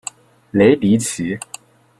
雷迪奇。